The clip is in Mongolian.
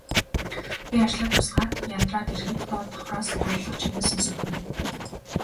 Би ажлаа дуусгаад ядраад ирэхэд доод давхраас дуулах чимээ сонсогдоно.